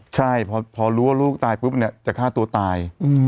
ใช่พอรู้ว่าลูกตายปุ๊บเนี่ยจะฆ่าตัวตาย